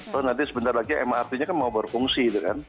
kalau nanti sebentar lagi mrt nya kan mau berfungsi